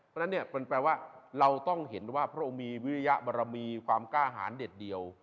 เพราะฉะนั้นเนี่ยมันแปลว่าเราต้องเห็นว่าพระองค์มีวิริยบรมีความกล้าหารเด็ดเดียว